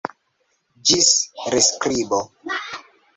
Ĝis reskribo!